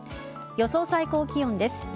予想最高気温です。